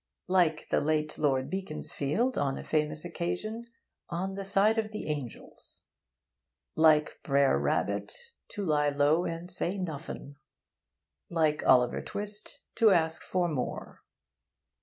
Like the late Lord Beaconsfield on a famous occasion, 'on the side of the angels.' Like Brer Rabbit, 'To lie low and say nuffin.' Like Oliver Twist, 'To ask for more.'